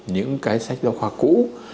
những cái sách giáo khoa cũ